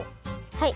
はい。